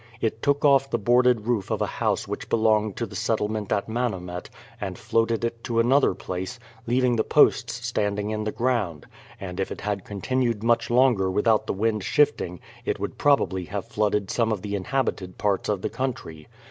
It took off the boarded roof of a house which belonged to the settlement at Manomet and floated it to another place, leaving the posts standing in the ground; and if it had continued much longer with out the wind shifting it would probably have flooded some of the inhabited parts of the country.